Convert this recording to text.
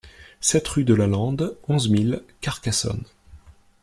sept rue de la Lande, onze mille Carcassonne